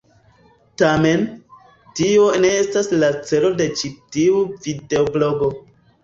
Tamen, tio ne estas la celo de ĉi tiu videoblogo.